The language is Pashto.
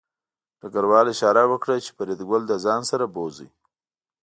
ډګروال اشاره وکړه چې فریدګل له ځان سره بوځي